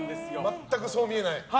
全くそう見えない。